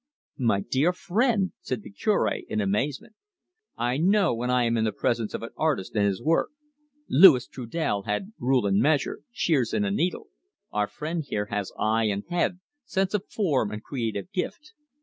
"My dear friend!" said the Cure, in amazement. "I know when I am in the presence of an artist and his work. Louis Trudel had rule and measure, shears and a needle. Our friend here has eye and head, sense of form and creative gift.